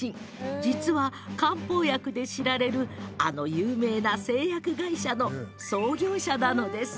実は、漢方薬で知られる有名なあの製薬会社の創業者です。